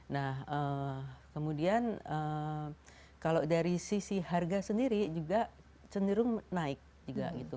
nah kemudian kalau dari sisi harga sendiri juga cenderung naik juga gitu